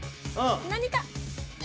何か！